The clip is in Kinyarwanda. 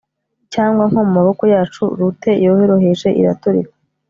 cyangwa nko mumaboko yacu lute yoroheje iraturika